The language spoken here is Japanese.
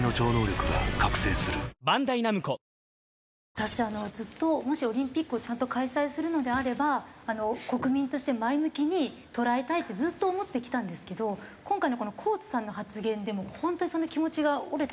私あのずっともしオリンピックをちゃんと開催するのであれば国民として前向きに捉えたいってずっと思ってきたんですけど今回のこのコーツさんの発言でもう本当にその気持ちが折れてしまいまして。